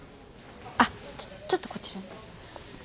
あっちょっとこちらに。